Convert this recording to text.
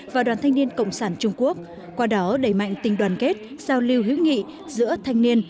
và đoàn thanh niên cộng sản trung quốc qua đó đẩy mạnh tình đoàn kết giao lưu hữu nghị giữa thanh niên